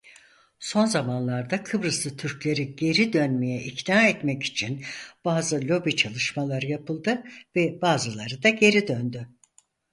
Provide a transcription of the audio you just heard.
Son zamanlarda Kıbrıslı Türkleri geri dönmeye ikna etmek için bazı lobi çalışmaları yapıldı ve bazıları da geri döndü.